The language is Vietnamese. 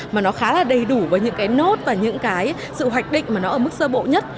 mà nó khá là đầy đủ với những cái nốt và những cái sự hoạch định mà nó ở mức sơ bộ nhất